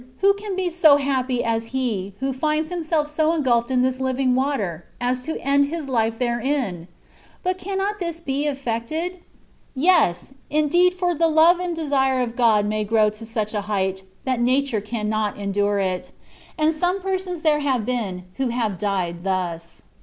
who can be so happy as he who finds himself so engulfed in this " living water," as to end his life therein ? But cannot this be efiected ? Yes ! indeed, for the love and desire of God may grow to such a height, that nature cannot endure it : and some * That iS; in the prayer of union. THE WAY OF PERFECTION. 95 persons there have been, who have died thus.